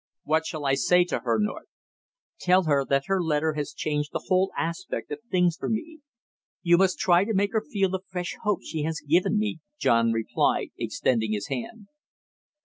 What shall I say to her, North?" "Tell her that her letter has changed the whole aspect of things for me. You must try to make her feel the fresh hope she has given me," John replied, extending his hand.